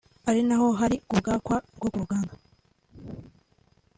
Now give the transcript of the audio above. ari naho hari kubwakwa rwo ruganda